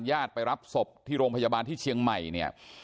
ญาติไปรับศพที่โรงพยาบาลที่เชียงใหม่เนี่ย